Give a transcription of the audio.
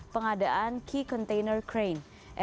pengadaan key container crane